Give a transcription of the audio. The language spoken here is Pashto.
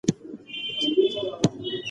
که یوه تیږه فضا ته ننوځي نو په اور بدله شي.